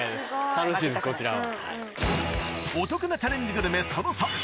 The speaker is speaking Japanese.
楽しみですこちらも。